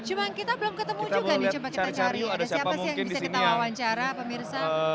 cuma kita belum ketemu juga nih coba kita cari ada siapa sih yang bisa kita wawancara pemirsa